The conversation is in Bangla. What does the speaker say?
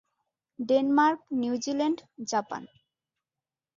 Denmark, New Zealand, Japan?